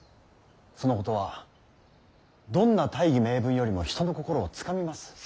そのことはどんな大義名分よりも人の心をつかみます。